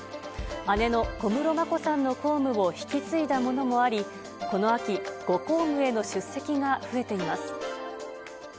姉の小室眞子さんの公務を引き継いだものもあり、この秋、ご公務への出席が増えています。